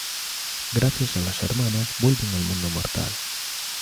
Gracias a las hermanas vuelven al mundo mortal.